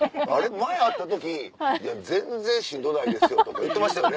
前会った時「全然しんどないですよ」とか言ってましたよね。